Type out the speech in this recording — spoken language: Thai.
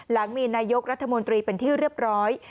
หลังมีนายกรัฐมนตรีเป็นที่เรียบร้อย